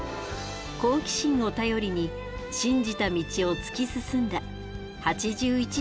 好奇心を頼りに信じた道を突き進んだ８１年の生涯でした。